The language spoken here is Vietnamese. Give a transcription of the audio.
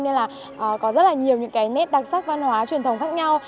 nên là có rất là nhiều những cái nét đặc sắc văn hóa truyền thống khác nhau